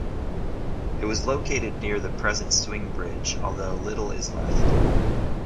It was located near the present swing bridge although little is left.